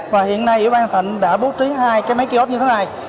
và hiện nay ủy ban thành đã bố trí hai cái máy kiosk như thế này